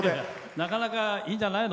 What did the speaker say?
なかなかいいんじゃないの？